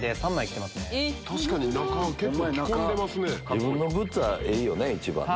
自分のグッズはええよね一番ね。